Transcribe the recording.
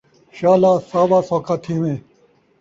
شالا ساوا سوکھا تھیویں